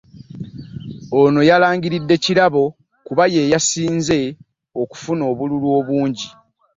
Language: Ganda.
Ono yalangiridde Kirabo kuba ye yasinze okufuna obululu obungi.